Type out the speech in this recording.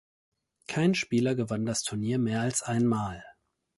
Kein Spieler gewann das Turnier mehr als einmal.